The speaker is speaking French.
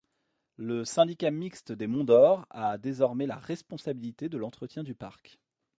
Le Syndicat Mixte des Monts d'Or a désormais la responsabilité de l'entretien du parc.